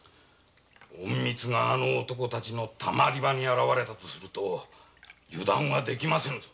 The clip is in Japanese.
隠密が人足たちの溜り場に現れたとすると油断は出来ませぬぞ。